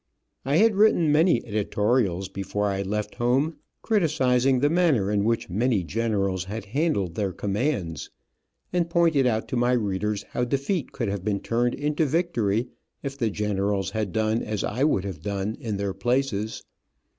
I had written many editorials before I left home, criticising the manner in which many generals had handled their commands, and pointed out to my readers how defeat could have been turned into victory, if the generals had done as I would have done in their places.